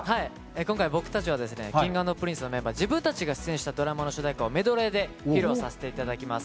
今回、僕たちはＫｉｎｇ＆Ｐｒｉｎｃｅのメンバー、自分たちが主演したドラマの主題歌をメドレーで披露させていただきます。